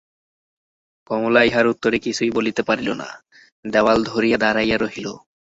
কমলা ইহার উত্তরে কিছুই বলিতে পারিল না, দেওয়াল ধরিয়া দাঁড়াইয়া রহিল।